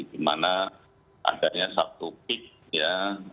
di mana adanya satu peak ya